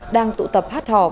đang tụ tập hát hò